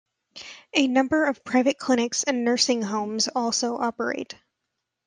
A number of private clinics and nursing homes also operate.